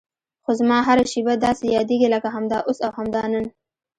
خو زما هره شېبه داسې یادېږي لکه همدا اوس او همدا نن.